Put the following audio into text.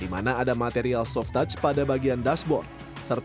di mana ada material soft touch pada bagian dashboard